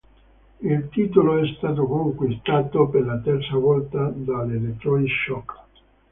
Il titolo è stato conquistato per la terza volta dalle Detroit Shock.